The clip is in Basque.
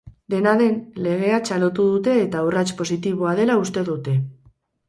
Dena den, legea txalotu dute eta urrats positiboa dela uste dute.